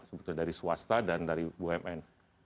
sebetulnya dari swasta dan dari bumn